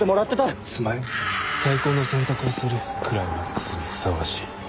最高の選択をするクライマックスにふさわしい。